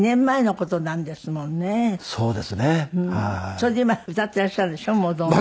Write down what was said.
それで今歌っていらっしゃるんでしょもうどんどん。